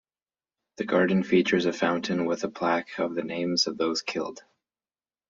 The garden features a fountain with a plaque of the names of those killed.